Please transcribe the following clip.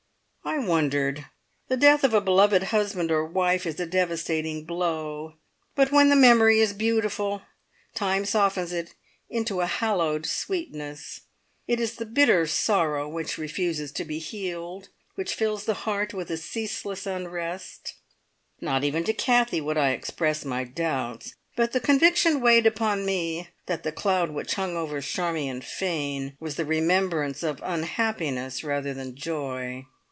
I wondered! The death of a beloved husband or wife is a devastating blow; but when the memory is beautiful, time softens it into a hallowed sweetness. It is the bitter sorrow which refuses to be healed, which fills the heart with a ceaseless unrest. Not even to Kathie would I express my doubts, but the conviction weighed upon me that the cloud which hung over Charmion Fane was the remembrance of unhappiness rather than joy!